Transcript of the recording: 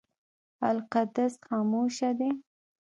القدس خاموشه دی.